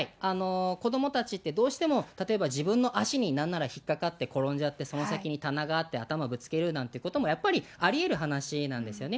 子どもたちって、どうしても、例えば自分の足になんなら引っ掛かって転んじゃって、その先に棚があって頭ぶつけるなんていうことも、やっぱりありうる話なんですよね。